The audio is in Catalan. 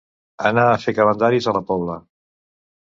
Anar a fer calendaris a la Pobla.